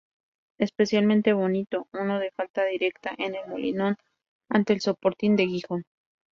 Especialmente bonito uno de falta directa en El Molinón ante el Sporting de Gijón.